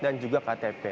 dan juga ktp